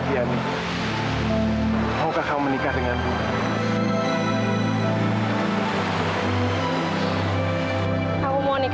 jangan lupa kata kata kamu ogos itu